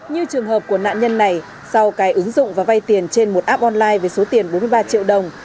như trường hợp của nạn nhân này sau cái ứng dụng và vay tiền trên một app online với số tiền bốn mươi ba triệu đồng